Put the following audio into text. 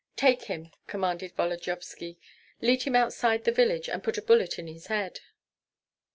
"Take him!" commanded Volodyovski, "lead him outside the village and put a bullet in his head."